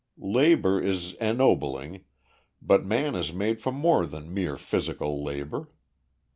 Labor is ennobling, but man is made for more than mere physical labor.